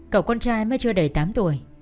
cậu con trai mới chưa đầy tám tuổi